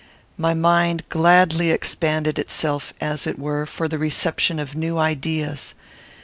My mind gladly expanded itself, as it were, for the reception of new ideas.